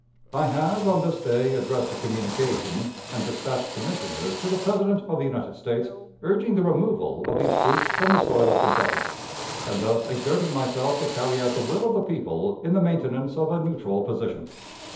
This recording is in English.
I have on this day addressed a communication and dispatched commissioners to the President of the United States, urging the removal of these troops from the soil of Kentucky, and thus exerting myself to carry out the will of the people in the maintenance of a neutral position.